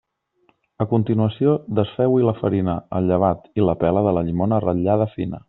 A continuació, desfeu-hi la farina, el llevat i la pela de la llimona ratllada fina.